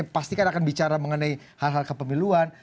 pasti kan akan bicara mengenai hal hal kepemiluan